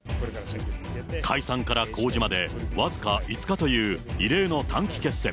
解散から公示まで僅か５日という異例の短期決戦。